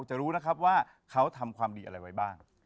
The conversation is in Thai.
จะรู้นะครับว่าเขาทำความดีอะไรไว้บ้าง